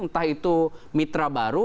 entah itu mitra baru